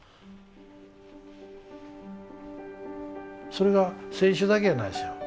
それが選手だけやないですよ。